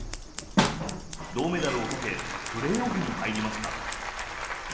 銅メダルをかけプレーオフに入りました。